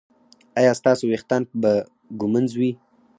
ایا ستاسو ویښتان به ږمنځ وي؟